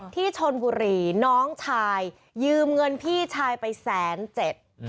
ที่ชนบุรีน้องชายยืมเงินพี่ชายไปแสนเจ็ด